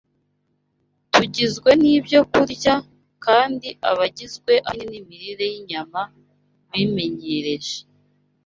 Tugizwe n’ibyo turya, kandi abagizwe ahanini n’imirire y’inyama bimenyereje